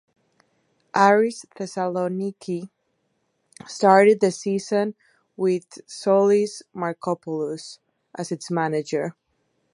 Aris Thessaloniki started the season with Soulis Markopoulos as its manager.